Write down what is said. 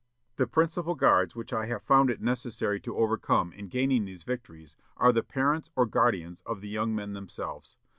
The principal guards which I have found it necessary to overcome in gaining these victories are the parents or guardians of the young men themselves.